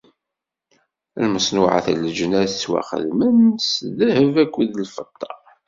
Lmeṣnuɛat n leǧnas ttwaxedmen s ddheb akked lfeṭṭa.